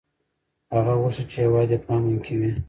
هغه غوښتل چې هېواد یې په امن کې وي.